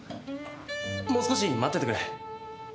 もう少し待っててくれ。